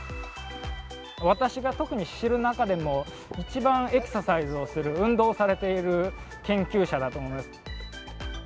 私が特に知る中でも、一番エクササイズをする、運動されている研究者だと思いますね。